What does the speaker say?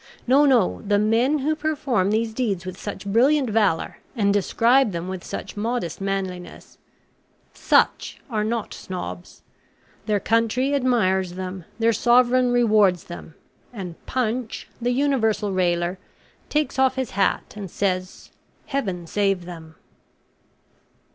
No, no; the men who perform these deeds with such brilliant valour, and describe them with such modest manliness SUCH are not Snobs. Their country admires them, their Sovereign rewards them, and PUNCH, the universal railer, takes off his hat and, says, Heaven save them!